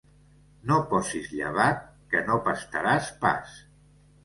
No posis llevat, que no pastaràs pas.